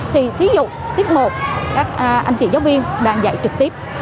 thì thí dụ tiết mục các anh chị giáo viên đang dạy trực tiếp